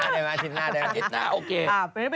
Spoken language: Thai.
แล้วถ้าทิพย์ด้วยไหนไป